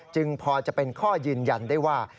พอจะเป็นข้อยืนยันได้ว่า